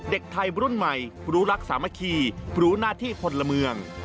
เด็กไทยรุ่นใหม่รู้รักสามัคคีรู้หน้าที่พลเมือง